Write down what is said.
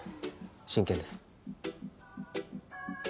真剣です